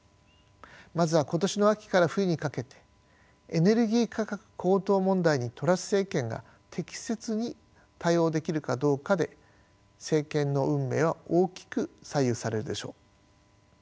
まずは今年の秋から冬にかけてエネルギー価格高騰問題にトラス政権が適切に対応できるかどうかで政権の運命は大きく左右されるでしょう。